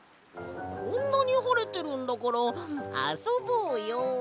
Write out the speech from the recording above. こんなにはれてるんだからあそぼうよ！